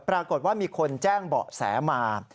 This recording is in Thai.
ปรากฏว่ามีคนแจ้งเบาะแสมา